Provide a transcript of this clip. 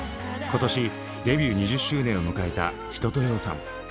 今年デビュー２０周年を迎えた一青窈さん。